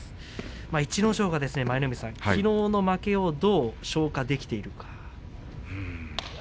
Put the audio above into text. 逸ノ城がきのうの負けをどう消化できているか。